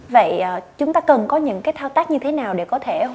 vậy chúng ta cần có những cái thao tác như thế nào để có thể hoàn chỉnh